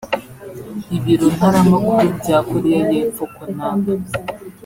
Ibiro ntaramakuru bya Koreya y’ Epfo Yonhap